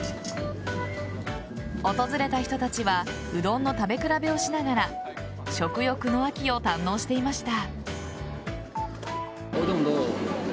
訪れた人たちはうどんの食べ比べをしながら食欲の秋を堪能していました。